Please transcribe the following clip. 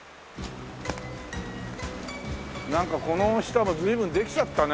なんかこの下も随分できちゃったね。